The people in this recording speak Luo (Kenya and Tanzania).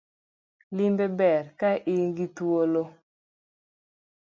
Limbe ber ka ingi thuolo